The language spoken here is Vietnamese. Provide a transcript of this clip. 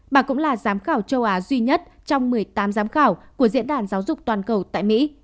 bà cũng là giám khảo châu á duy nhất trong một mươi tám giám khảo của diễn đàn giáo dục toàn cầu tại mỹ